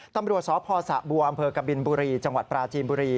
ตำรวจสพสะบัวอำเภอกบินบุรีจังหวัดปราจีนบุรี